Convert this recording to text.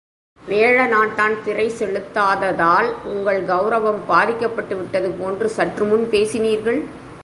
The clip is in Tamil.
வேழநாட்டான் திறை செலுத்தாததால் உங்கள் கவுரவம் பாதிக்கப்பட்டு விட்டது போன்று சற்றுமுன் பேசினீர்கள்.